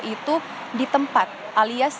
itu di tempat alias